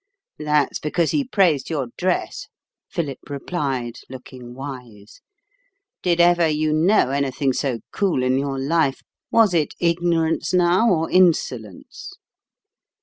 "That's because he praised your dress," Philip replied, looking wise. "Did ever you know anything so cool in your life? Was it ignorance, now, or insolence?"